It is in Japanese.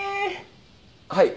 はい。